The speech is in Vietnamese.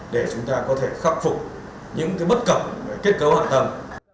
để chúng ta có thể khắc phục những bất cẩn kết cấu hạn tầm